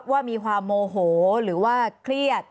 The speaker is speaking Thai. ว่ามีความโมโหหรือว่าเครียด